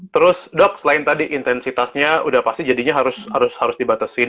terus dok selain tadi intensitasnya udah pasti jadinya harus dibatasin